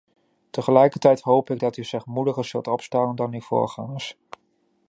Tegelijkertijd hoop ik dat u zich moediger zult opstellen dan uw voorgangers.